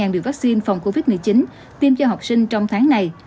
điều vaccine phòng covid một mươi chín tiêm cho học sinh trong tháng này